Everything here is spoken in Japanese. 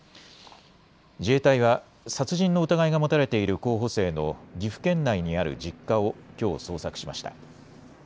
自衛隊は殺人の疑いが持たれている候補生の岐阜県内にある実家をきょう捜索しました。